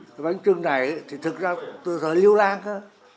cái bánh trưng này thì thực ra từ thời lưu lan cơ